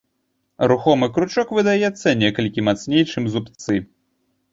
Рухомы кручок выдаецца некалькі мацней, чым зубцы.